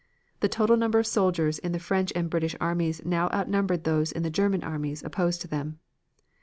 The total number of soldiers in the French and British armies now outnumbered those in the German armies opposed to them.